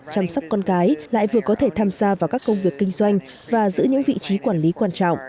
chăm sóc con cái lại vừa có thể tham gia vào các công việc kinh doanh và giữ những vị trí quản lý quan trọng